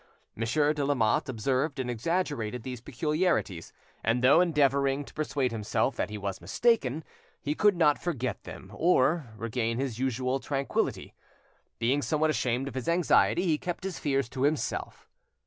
Monsieur de Lamotte observed and exaggerated these peculiarities, and though endeavouring to persuade himself that he was mistaken, he could not forget them, or regain his usual tranquility. Being somewhat ashamed of his anxiety, he kept his fears to himself.